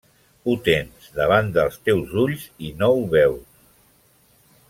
Ho tens davant dels teus ulls i no ho veus.